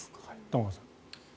玉川さん。